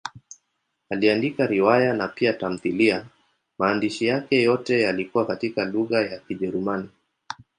Aliandika riwaya na pia tamthiliya; maandishi yake yote yalikuwa katika lugha ya Kijerumani.